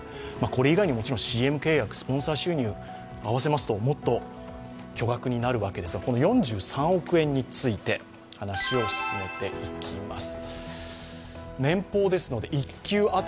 これ以外にもＣＭ契約、スポンサー収入を合わせますともっと巨額になるわけですが、この４３億円について、話を進めていきます。